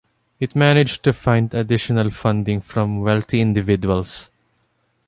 It managed to find additional funding from wealthy individuals.